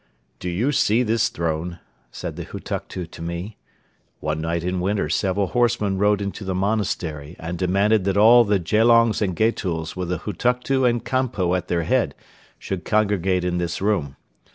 "Do you see this throne?" said the Hutuktu to me. "One night in winter several horsemen rode into the monastery and demanded that all the Gelongs and Getuls with the Hutuktu and Kanpo at their head should congregate in this room.